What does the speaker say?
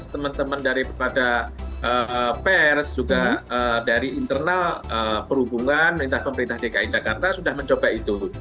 teman teman dari komunitas teman teman dari pers juga dari internal perhubungan pemerintah pemerintah dki jakarta sudah mencoba itu